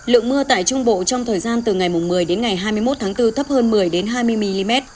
lượng mưa tại trung bộ trong thời gian từ ngày một mươi đến ngày hai mươi một tháng bốn thấp hơn một mươi hai mươi mm